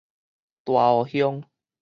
大湖鄉